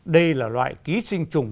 đây là loại ký sinh trùng